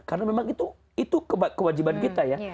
karena memang itu kewajiban kita ya